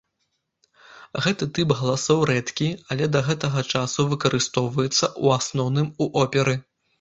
Гэты тып галасоў рэдкі, але да гэтага часу выкарыстоўваецца, у асноўным, у оперы.